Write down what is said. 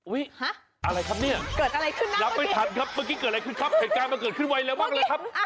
อุ๊ยอะไรครับเนี่ยรับไม่ทันครับเมื่อกี้เกิดอะไรขึ้นครับเห็นการมันเกิดขึ้นไวแล้วบ้างเลยครับ